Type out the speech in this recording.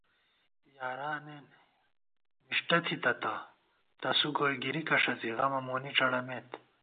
یارانېن مِݭٹہ تھِتہ تہ تسُو گوئی گِرِکہ ݭڅی غمہ مونی ڄَڑَمېت